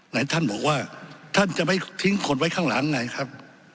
ไหนท่านบอกว่าท่านจะไม่ทิ้งคนไว้ข้างหลังไงครับ